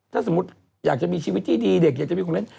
ถ้าสมมุติอยากจะมีชีวิตที่ดีเด็กอยากจะมีของเล่น